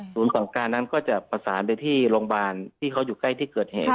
ของการนั้นก็จะประสานไปที่โรงพยาบาลที่เขาอยู่ใกล้ที่เกิดเหตุ